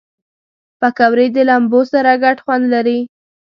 پکورې د لمبو سره ګډ خوند لري